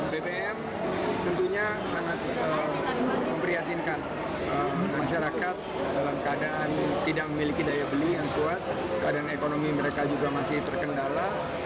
bbm tentunya sangat memprihatinkan masyarakat dalam keadaan tidak memiliki daya beli yang kuat keadaan ekonomi mereka juga masih terkendala